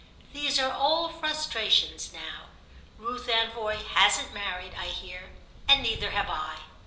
These are old frustrations now. Ruth Anvoy hasn't married, I hear, and neither have I.